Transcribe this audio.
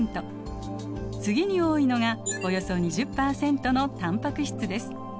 次に多いのがおよそ２０％のタンパク質です。